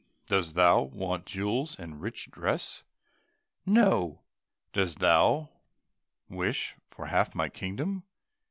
"Dost thou want jewels and rich dress?" "No." "Dost thou wish for half my kingdom?"